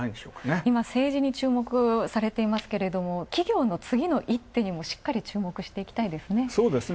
今政治に注目されていますがつぎの一手にもしっかり注目していきたいですね。